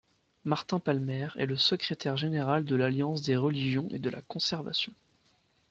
Martin Palmer est le secrétaire général de l'Alliance des Religions et de la Conservation.